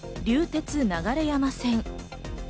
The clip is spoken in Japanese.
鉄流山線。